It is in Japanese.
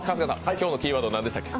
今日のキーワードは何でしたっけ？